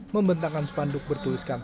membentangkan spanduk bertuliskan